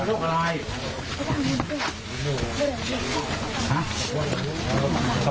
สักพันยา